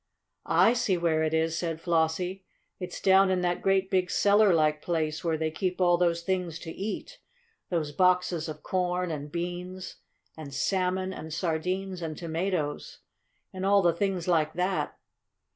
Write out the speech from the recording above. "I see where it is," said Flossie. "It's down in that great big cellar like place where they keep all those things to eat those boxes of corn and beans and salmon and sardines and tomatoes, and all the things like that."